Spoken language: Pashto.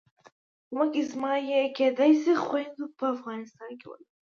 خو مخکې زما یې کېدای شي خویندې په افغانستان کې ولولي.